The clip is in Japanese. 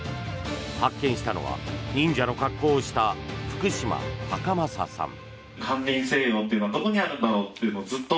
発見したのは忍者の格好をした福島崇仁さん。